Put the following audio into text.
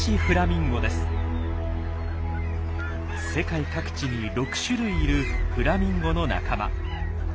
世界各地に６種類いるフラミンゴの仲間。